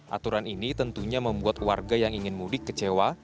aturan ini tentunya membuat warga yang ingin mudik kecewa